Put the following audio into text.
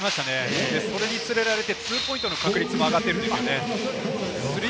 それにつれられてツーポイントの確率も上がってるんですよね。